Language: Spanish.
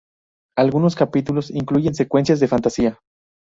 Algunos capítulos incluyen secuencias de fantasía.